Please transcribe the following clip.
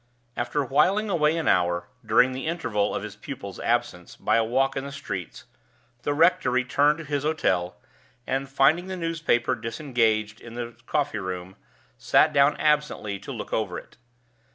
After whiling away an hour, during the interval of his pupil's absence, by a walk in the streets, the rector returned to his hotel, and, finding the newspaper disengaged in the coffee room, sat down absently to look over it.